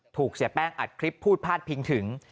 เสียแป้งอัดคลิปพูดพาดพิงถึง